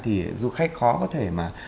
thì du khách khó có thể mà